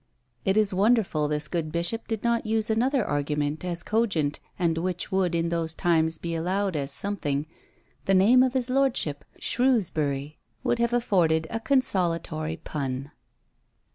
It is wonderful this good bishop did not use another argument as cogent, and which would in those times be allowed as something; the name of his lordship, Shrewsbury, would have afforded a consolatory pun!